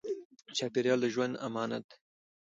چاپېریال د ژوند امانت دی.